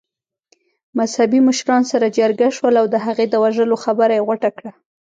مذهبي مشران سره جرګه شول او د هغې د وژلو خبره يې غوټه کړه.